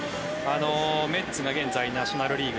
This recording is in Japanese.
メッツが現在ナショナル・リーグ